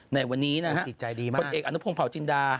ในวันนี้คนเอกอนุพงศ์เผาจินดา